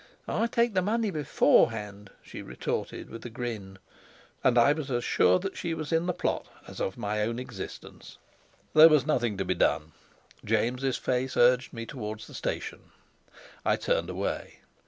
"I take the money beforehand," she retorted with a grin; and I was as sure that she was in the plot as of my own existence. There was nothing to be done; James's face urged me towards the station. I turned away.